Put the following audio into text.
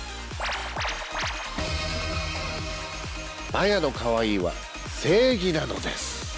マヤのかわいいは正義なのです。